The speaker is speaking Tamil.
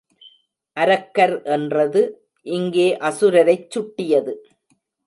அரக்கர் என்றது இங்கே அசுரரைச் சுட்டியது.